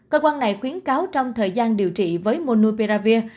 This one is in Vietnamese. cơ quan này khuyến cáo trong thời gian điều trị với monuperavir